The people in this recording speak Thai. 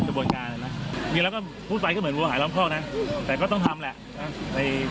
ก็เป็นจุดเศร้าใจมากมากที่เกิดขึ้นเพราะทุกคนก็สามารถมาให้ดู